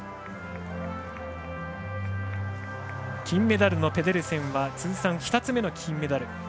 金メダルのペデルセンは通算２つ目の金メダル。